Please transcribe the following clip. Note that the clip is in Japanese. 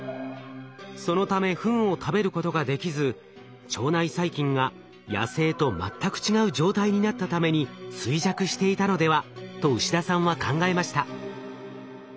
そのためフンを食べることができず腸内細菌が野生と全く違う状態になったために衰弱していたのではと牛田さんは考えました。